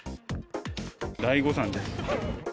大誤算です。